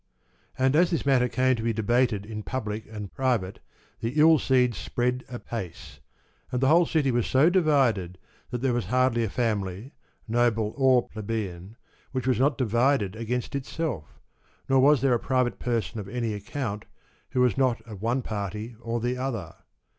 And as this matter came to be debated in public and private the ill seed spread apace, and the whole city was so divided that there was hardly a family, noble or plebeian, which was not divided against itself, nor was there a private person of any account who was not of one party or the other.